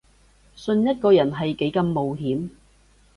信一個人係幾咁冒險